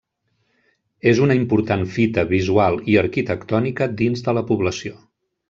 És una important fita visual i arquitectònica dins de la població.